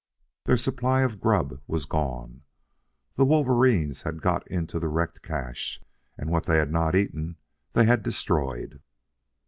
Their supply of grub was gone. The wolverines had got into the wrecked cache, and what they had not eaten they had destroyed.